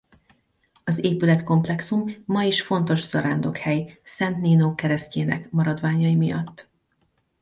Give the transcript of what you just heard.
Az épületkomplexum ma is fontos zarándokhely Szent Nino keresztjének maradványai miatt.